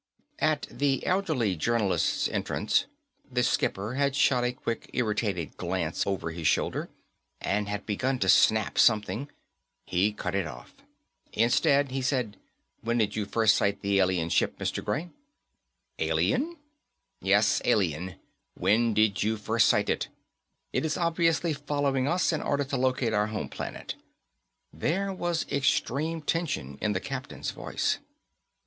At the elderly journalist's entrance, the skipper had shot a quick, irritated glance over his shoulder and had begun to snap something; he cut it off. Instead, he said, "When did you first sight the alien ship, Mr. Gray?" "Alien?" "Yes, alien. When did you first sight it? It is obviously following us in order to locate our home planet." There was extreme tension in the captain's voice.